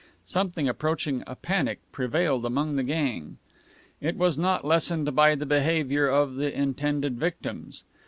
Something approaching a panic prevailed among the gang. It was not lessened by the behavior of the intended victims.